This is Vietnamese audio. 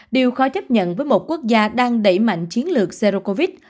điều khó chấp nhận với một quốc gia đang đẩy mạnh chiến lược zero covid